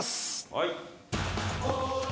はい・